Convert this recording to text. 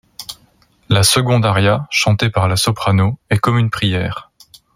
La seconde aria, chantée par la soprano, est comme une prière.